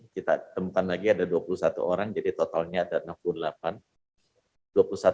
kita temukan lagi ada dua puluh satu orang jadi totalnya ada enam puluh delapan